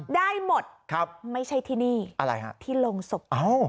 ได้หมดไม่ใช่ที่นี่ที่โรงศพ